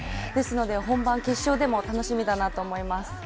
ですので本番、決勝でも楽しみだと思います。